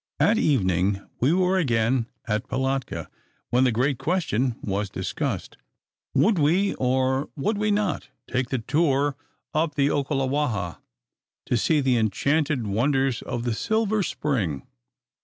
At evening we were again at Pilatka; when the great question was discussed, Would we, or would we not, take the tour up the Okalewaha to see the enchanted wonders of the Silver Spring!